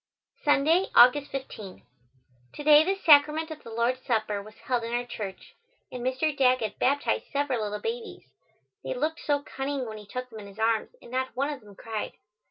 Sunday, August 15. To day the Sacrament of the Lord's Supper was held in our church, and Mr. Daggett baptized several little babies. They looked so cunning when he took them in his arms and not one of them cried.